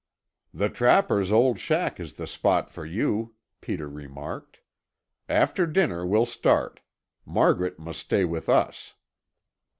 "The trapper's old shack is the spot for you," Peter remarked. "After dinner we'll start. Margaret must stay with us."